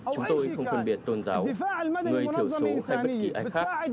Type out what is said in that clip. chúng tôi không phân biệt tôn giáo người thiểu số hay bất kỳ ai khác